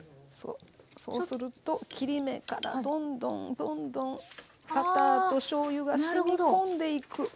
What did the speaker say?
そうすると切り目からどんどんどんどんバターとしょうゆがしみ込んでいく。